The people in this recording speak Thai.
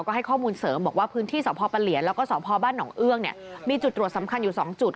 ก็ให้ข้อมูลเสริมบอกว่าพื้นที่สพปะเหลียนแล้วก็สพบ้านหนองเอื้องเนี่ยมีจุดตรวจสำคัญอยู่๒จุด